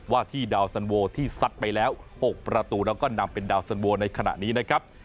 ว่าที่ดาวสันโวที่ซัดไปแล้ว๖ประตูแล้วก็นำเป็นดาวสันโวในขณะนี้นะครับ